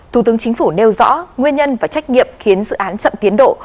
thủ tướng chính phủ nêu rõ nguyên nhân và trách nhiệm khiến dự án chậm tiến độ